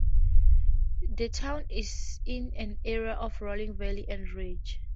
The town is in an area of rolling valleys and ridges.